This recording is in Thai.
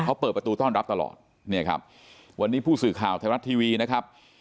เขาเปิดประตูต้อนรับตลอดเนี่ยครับวันนี้ผู้สื่อข่าวไทยรัฐทีวีนะครับ